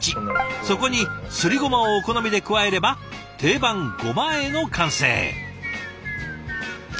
そこにすりごまをお好みで加えれば定番ごま和えの完成。